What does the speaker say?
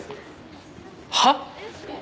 はっ！？